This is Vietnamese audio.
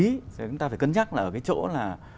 thì chúng ta phải cân nhắc là ở cái chỗ là